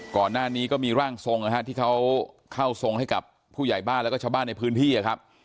ก่อนหน้านี้ก็มีร่างทรงนะฮะที่เขาเข้าทรงให้กับผู้ใหญ่บ้านแล้วก็ชาวบ้านในพื้นที่ครับ